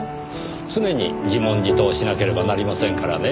常に自問自答しなければなりませんからねぇ。